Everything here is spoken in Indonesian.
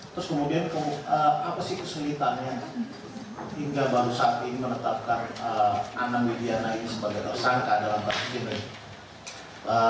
terus kemudian apa sih kesulitannya hingga baru saat ini menetapkan anang widiana ini sebagai persangka dalam persidangan